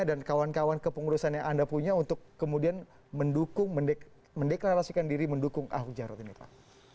kawan kawan kepengurusan yang anda punya untuk kemudian mendukung mendeklarasikan diri mendukung ahok jarot ini pak